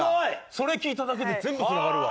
それ聞いただけで全部繋がるわ。